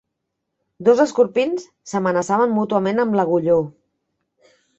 Dos escorpins s'amenaçaven mútuament amb l'agulló.